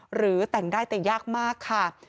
หรือแต่งได้แต่ยากมากค่ะ